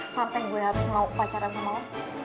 sampe gue harus mau pacaran sama lo